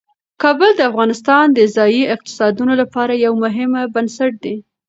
کابل د افغانستان د ځایي اقتصادونو لپاره یو مهم بنسټ دی.